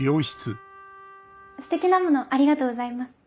ステキなものをありがとうございます。